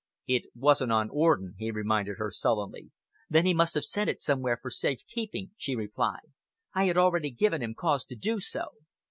"It wasn't on Orden," he reminded her sullenly. "Then he must have sent it somewhere for safe keeping," she replied. "I had already given him cause to do so."